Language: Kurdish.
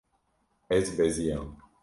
Ez beziyam.